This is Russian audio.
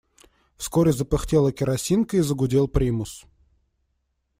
Вскоре запыхтела керосинка и загудел примус.